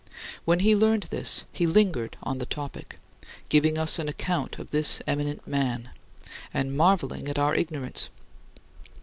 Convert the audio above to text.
When he learned this, he lingered on the topic, giving us an account of this eminent man, and marveling at our ignorance.